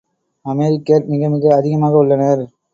அமெரிக்கர் மிகமிக அதிகமாக உள்ளனர்.